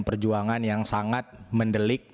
perjuangan yang sangat mendelik